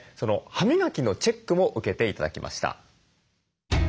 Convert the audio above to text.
歯磨きのチェックも受けて頂きました。